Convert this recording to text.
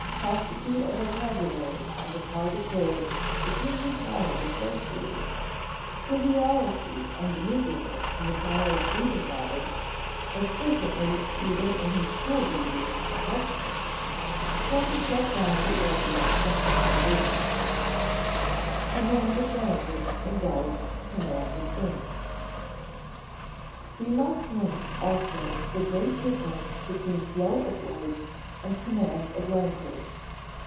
Paucity of vocabulary on the part of those with whom the child associates, triviality and meagerness in the child's reading matter (as frequently even in his school readers and text books), tend to shut down the area of mental vision. [Sidenote: Command of language involves command of things] We must note also the great difference between flow of words and command of language.